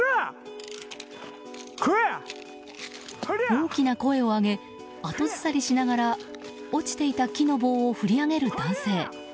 大きな声を上げ後ずさりしながら落ちていた木の棒を振り上げる男性。